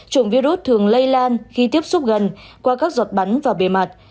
trụng virus thường lây lan khi tiếp xúc gần qua các giọt bắn vào bề mặt